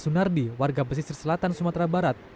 sunardi warga pesisir selatan sumatera barat